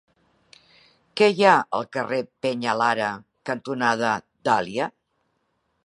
Què hi ha al carrer Peñalara cantonada Dàlia?